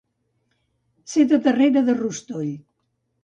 Ser de darrere de rostoll.